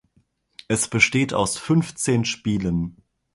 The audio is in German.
Es besteht aus fünfzehn Spielen.